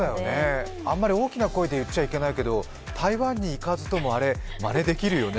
あまり大きな声で言っちゃいけないけど台湾に行かずともまねできるよね？